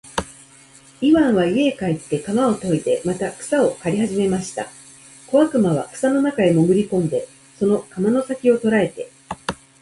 イワンは家へ帰って鎌をといでまた草を刈りはじめました。小悪魔は草の中へもぐり込んで、その鎌の先きを捉えて、